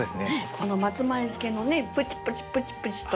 この松前漬のねプチプチプチプチと。